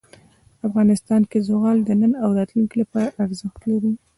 افغانستان کې زغال د نن او راتلونکي لپاره ارزښت لري.